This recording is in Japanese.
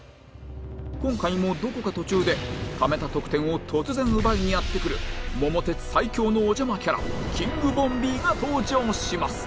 今回もどこか途中でためた得点を突然奪いにやって来る『桃鉄』最強のお邪魔キャラキングボンビーが登場します